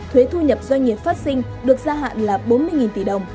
thuế thu nhập doanh nghiệp phát sinh được gia hạn là bốn mươi tỷ đồng